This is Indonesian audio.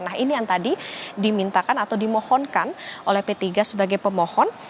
nah ini yang tadi dimintakan atau dimohonkan oleh p tiga sebagai pemohon